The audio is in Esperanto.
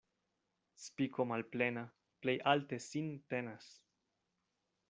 Spiko malplena plej alte sin tenas.